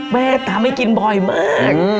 แม่ทำให้กินบ่อยมาก